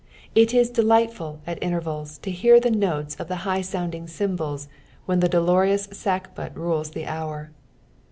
It is delightful at intervals to hear the notes of the high sounding cymbals when the dolorous sackbut rules the hour.